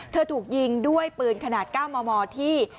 ถูกยิงด้วยปืนขนาด๙มมที่